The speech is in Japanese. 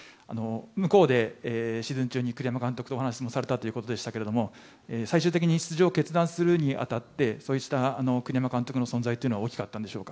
向こうでシーズン中に栗山監督とお話をされたということでしたけれども、最終的に出場を決断するにあたって、そうした栗山監督の存在というのは大きかったんでしょうか？